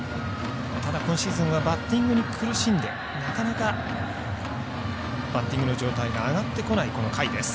ただ、今シーズンはバッティングに苦しんでなかなか、バッティングの状態が上がってこない甲斐です。